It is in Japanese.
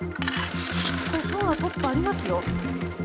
これ園田トップありますよ。